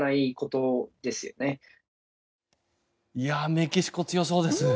メキシコ、強そうです。